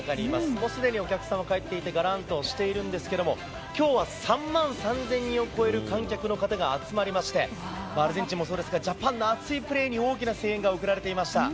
もうすでにお客さんは帰っていて、がらんとしているんですけれども、きょうは３万３０００人を超える観客の方が集まりまして、アルゼンチンもそうですが、ジャパンの熱いプレーに大きな声援が送られていました。